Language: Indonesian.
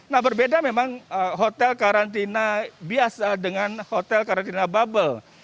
nah berbeda memang hotel karantina biasa dengan hotel karantina bubble